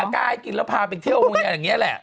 อ่ะก้ายกินแล้วพาไปเที่ยวบริเวณแหละ